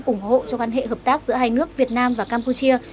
ủng hộ cho quan hệ hợp tác giữa hai nước việt nam và campuchia